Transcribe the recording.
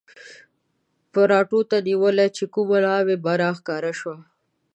پراټو ته نیوله چې کومه ناوې به را ښکاره شوه.